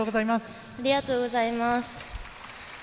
ありがとうございます。